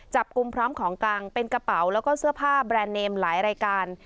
จับกลุ่มพร้อมของกลางเป็นกระเป๋าแล้วก็เสื้อผ้าแบรนด์เนมหลายรายการ